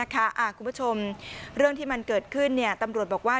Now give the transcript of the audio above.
คุณผู้ชมเรื่องที่มันเกิดขึ้นตำรวจบอกว่า